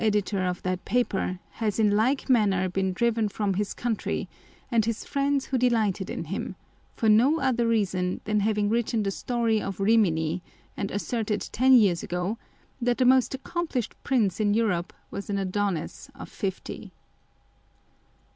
editor of that paper has in like manner been driven from his country and his friends who delighted in him, for no other reason than having written the Story of Xtimini, and asserted ten years ago, " that the most accomplished prince in Europe was an Adonis of fifty